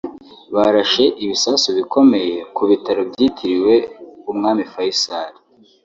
barashe ibisasu bikomeye ku bitaro byitiriwe umwami Faysal